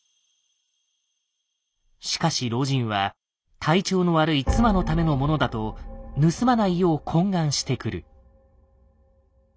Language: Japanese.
しかし老人は体調の悪い妻のためのものだと盗まないよう懇願してくる。